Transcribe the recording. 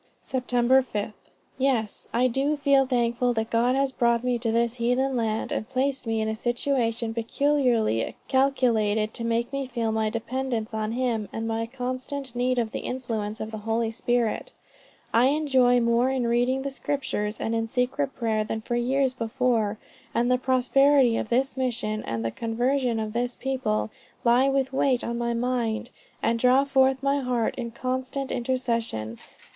"Sept. 5. Yes, I do feel thankful that God has brought me to this heathen land, and placed me in a situation peculiarly calculated to make me feel my dependence on him and my constant need of the influences of the Holy Spirit. I enjoy more in reading the Scriptures, and in secret prayer than for years before; and the prosperity of this mission, and the conversion of this people, lie with weight on my mind, and draw forth my heart in constant intercession.